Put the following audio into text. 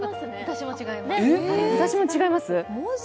私も違います。